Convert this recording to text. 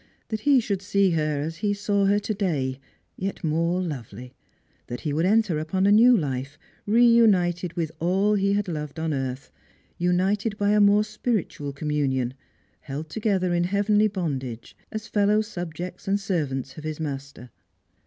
That he should see her as he saw her to day, yet more lovely ; that he would enter upon a new life, reunited with all he had loved on earth, united by a more spiritual communion, held together in a heavenly bondage, as fellow subjects and servants of his Master.